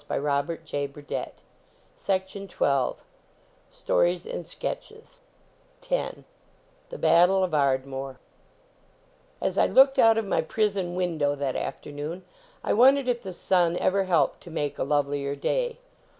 126 CHIMES FROM A JESTER S BELLS STORIES AND SKETCHES 127 THE BATTLE OF ARDMORE x S I looked out of my prison win dow that afternoon, I won dered if the sun ever helped to make a lovelier day.